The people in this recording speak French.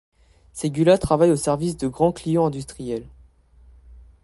Segula travaille au service de grands clients industriels.